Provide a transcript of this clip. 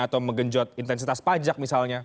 atau menggenjot intensitas pajak misalnya